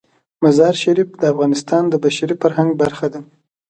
مزارشریف د افغانستان د بشري فرهنګ برخه ده.